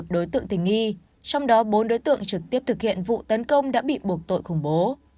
một mươi đối tượng tình nghi trong đó bốn đối tượng trực tiếp thực hiện vụ tấn công đã bị buộc tội khủng bố